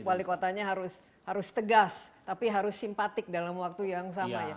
wali kotanya harus tegas tapi harus simpatik dalam waktu yang sama ya